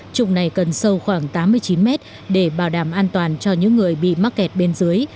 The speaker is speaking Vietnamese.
trụng này cần sâu khoảng tám mươi chín mét để bảo đảm an toàn cho những người bị mắc kẹt bên dưới